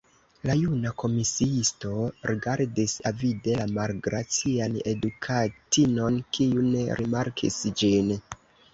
La juna komisiisto rigardis avide la malgracian edukatinon, kiu ne rimarkis ĝin.